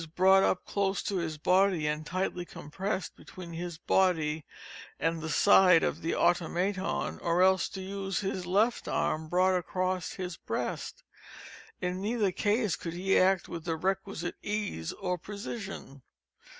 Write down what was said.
brought up close to his body and tightly compressed between his body and the side of the Automaton,) or else to use his left arm brought across his breast. In neither case could he act with the requisite ease or precision.